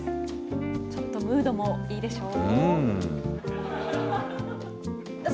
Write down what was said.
ちょっとムードもいいでしょう？